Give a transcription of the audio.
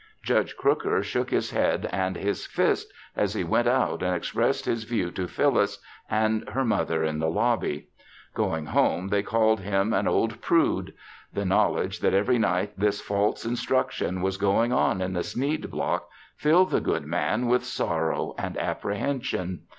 Judge Crooker shook his head and his fist as he went out and expressed his view to Phyllis and her mother in the lobby. Going home, they called him an old prude. The knowledge that every night this false instruction was going on in the Sneed Block filled the good man with sorrow and apprehension.